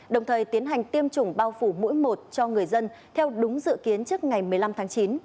đồng thời tiến hành tiêm chủng bao phủ mũi một cho người dân theo đúng dự kiến trước ngày một mươi năm tháng chín